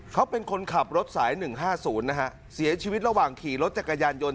เขาเป็นคนขับรถสายหนึ่งห้าศูนย์นะฮะเสียชีวิตระหว่างขี่รถจากกระยานยนต์